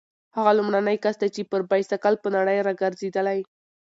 هغه لومړنی کس دی چې پر بایسکل په نړۍ راګرځېدلی.